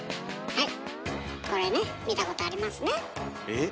はい！